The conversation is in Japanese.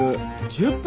１０分！